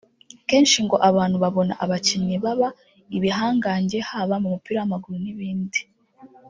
Kenshi ngo abantu babona abakinnyi baba ibihangange haba mu mupira w’amaguru n’ibindi